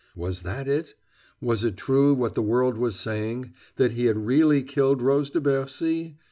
Was that it? Was it true what the world was saying that he had really killed Rose de Bercy?